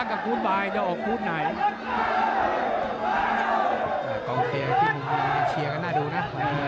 กองเตียกที่รูปนางก็เชียร์กันหน้าดูนะ